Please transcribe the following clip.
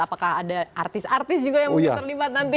apakah ada artis artis juga yang mungkin terlibat nanti